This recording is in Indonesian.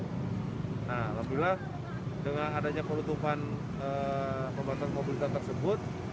nah alhamdulillah dengan adanya penutupan pembatasan mobilitas tersebut